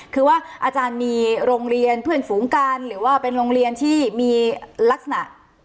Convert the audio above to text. คือว่าอาจารย์มีโรงเรียนเพื่อนฝูงกันหรือว่าเป็นโรงเรียนที่มีลักษณะ